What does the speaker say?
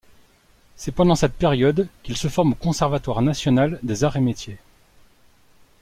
C'est pendant cette période qu'il se forme au Conservatoire national des arts et métiers.